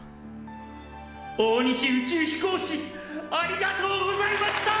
大西宇宙飛行士ありがとうございました！